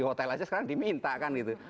hotel aja sekarang diminta kan gitu